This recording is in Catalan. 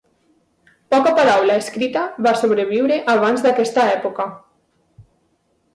Poca paraula escrita va sobreviure abans d'aquesta època.